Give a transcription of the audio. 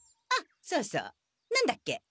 あっそうそう何だっけ？